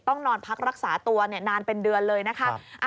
ต้องนอนพักรักษาตัวนานเป็นเดือนเลยนะคะ